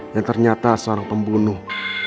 yang ternyata seorang pembunuh